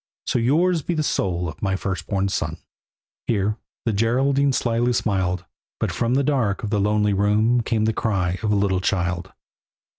"So yours be the soul of my firstborn son." Here the Geraldine slyly smiled, But from the dark of the lonely room Came the cry of a little child.